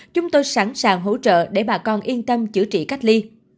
chúng tôi sẵn sàng hỗ trợ để bà con yên tâm chữa trị cách ly